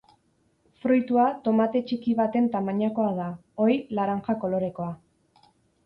Fruitua tomate txiki baten tamainakoa da, ohi, laranja kolorekoa.